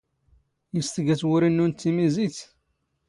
ⵉⵙ ⵜⴳⴰ ⵜⵡⵓⵔⵉ ⵏⵏⵓⵏⵜ ⵜⵉⵎⵉⵣⵉⵜ?